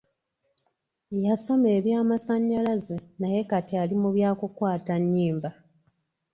Yasoma eby'amasannyalaze naye kati ali mu byakukwata nnyimba.